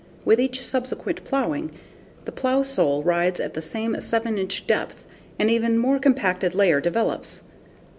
With each subsequent plowing the plow sole rides at the same 7 inch depth and an even more compacted layer develops.